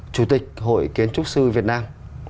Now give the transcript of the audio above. chủ tịch hội kiến trúc sư việt nam